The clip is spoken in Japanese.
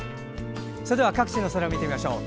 それでは各地の空を見てみましょう。